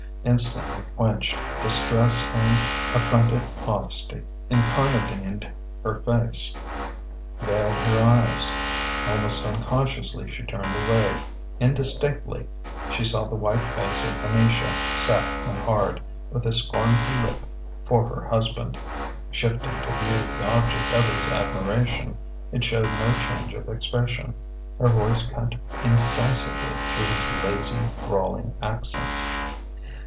Instantly quenched: distress and affronted modesty incarnadined her face, veiled her eyes. Almost unconsciously she turned away. Indistinctly she saw the white face of Venetia, set and hard, with a scornful lip for her husband. Shifting to view the object of his admiration, it showed no change of expression. Her voice cut incisively through his lazy, drawling accents.